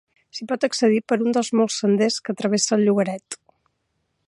S'hi pot accedir per un dels molts senders que travessa el llogaret.